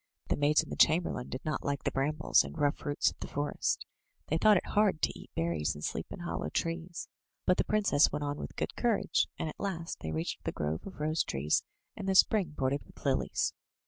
The maids and the chamberlain did not like the brambles and rough roots of the forest — they thought it hard to eat berries and sleep in hollow trees; but the prin cess went on with good courage, and at last they reached the grove of rose trees, and the spring bordered with lilies.